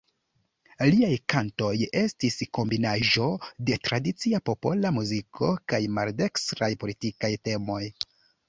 Liaj kantoj estis kombinaĵo de tradicia popola muziko kaj maldekstraj politikaj temoj.